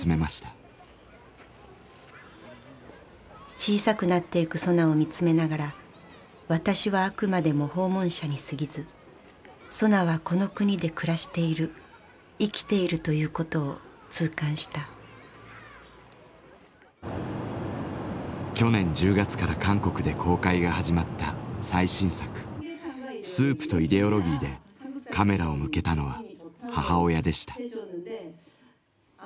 小さくなってゆくソナを見つめながら私はあくまでも訪問者にすぎずソナはこの国で暮らしている生きているということを痛感した去年１０月から韓国で公開が始まった最新作「スープとイデオロギー」でカメラを向けたのは母親でした。